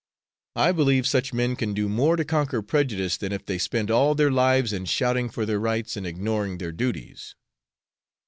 I believe such men can do more to conquer prejudice than if they spent all their lives in shouting for their rights and ignoring their duties.